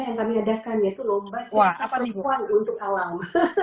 yang kami adakan yaitu lomba cerita perempuan untuk alam